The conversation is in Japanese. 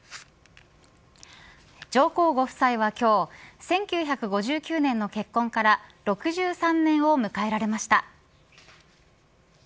上皇ご夫妻は今日１９５９年の結婚から６３年を迎えられました。